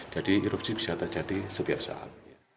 jadi erupsi bisa terjadi setiap saat